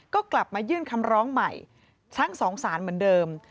ก็กลับมายื่นคำร้องใหม่ทั้งสองสารเหมือนเดิม